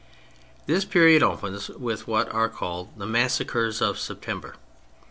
This period opens with what are called the / Massacres of September.